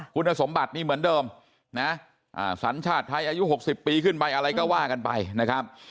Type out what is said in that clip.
คุณสมบัตินี่เหมือนเดิมนะสัญชาติไทยอายุ๖๐ปีขึ้นไปอะไรก็ว่ากันไปนะครับ